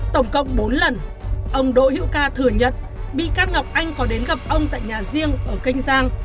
tổng cộng bốn lần ông đỗ hữu ca thừa nhận bị can ngọc anh có đến gặp ông tại nhà riêng ở kênh giang